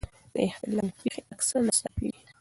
د اختلال پېښې اکثره ناڅاپي وي.